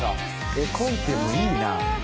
「絵コンテもいいな」